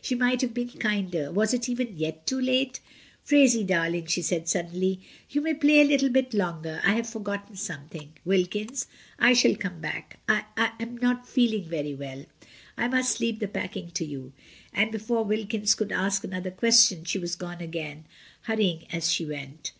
She might have been kinder — was it even yet too late? "Phraisie, dar ling,'' she said suddenly, "you may play a little bit longer. I have forgotten something, Wilkins; I shall come back. I — I am not feeling very well, I must leave the packing to you." And before Wilkins could ask another question she was gone again, hurrying as she went.